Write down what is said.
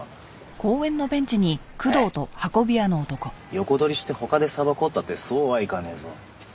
横取りして他で捌こうったってそうはいかねえぞ。